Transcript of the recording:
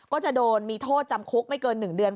ก็จะโดนมีโทษจำคุกไม่เกิน๑เดือน